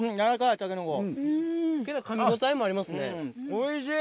おいしい。